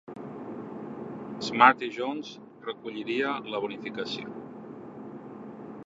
Smarty Jones's recolliria la bonificació.